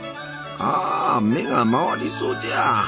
ああ目が回りそうじゃ！